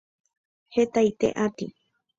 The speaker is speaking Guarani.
hetaite atĩ